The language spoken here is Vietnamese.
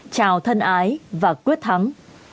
chào thân ái và quyết thắng